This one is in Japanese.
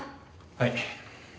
はい。